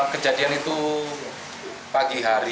kejadian itu pagi hari